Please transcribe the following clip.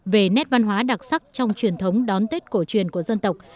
về nét văn hóa đặc sắc trong truyền thống đón tết cổ truyền của dân tộc